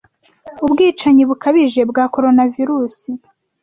ubwicanyi bukabije bwa corona virusi.